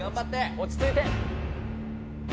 落ち着いて！